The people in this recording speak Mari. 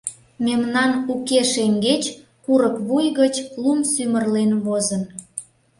Мемнан уке шеҥгеч курык вуй гыч лум сӱмырлен возын.